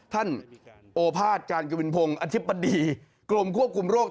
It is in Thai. ท่านโอภาสการกิวินพงศ์อธิบดีกรมควบคุมโรค